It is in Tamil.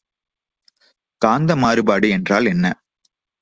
காந்த மாறுபாடு என்றால் என்ன?